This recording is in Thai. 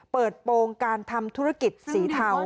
เปิดโปรงการทำธุรกิจสีเทา